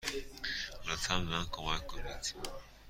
لطفا به من کمک کنید.